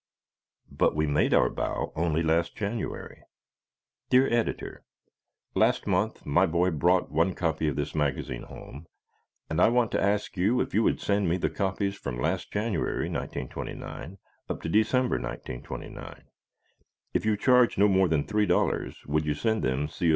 But We Made Our Bow Only Last January! Dear Editor: Last month my boy brought one copy of this magazine home, and I want to ask you if you would send me the copies from last January, 1929, up to December, 1929. If you charge no more than $3.00 would you send them C.